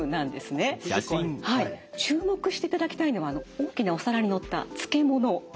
注目していただきたいのが大きなお皿に載った漬物です。